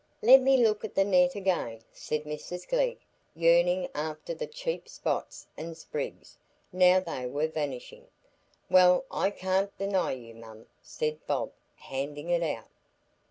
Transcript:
"Let me look at the net again," said Mrs Glegg, yearning after the cheap spots and sprigs, now they were vanishing. "Well, I can't deny you, mum," said Bob handing it out.